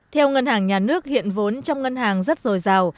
theo ngân hàng nhà nước hiện vốn trong ngân hàng rất rồi giàu